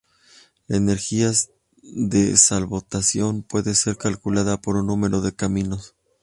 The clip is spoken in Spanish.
La energía de solvatación puede ser calculada por un número de caminos.